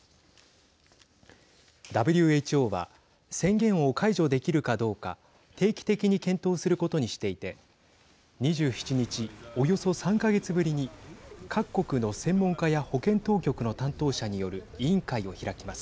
ＷＨＯは宣言を解除できるかどうか定期的に検討することにしていて２７日、およそ３か月ぶりに各国の専門家や保健当局の担当者による委員会を開きます。